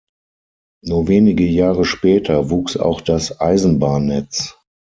Nur wenige Jahre später wuchs auch das Eisenbahnnetz.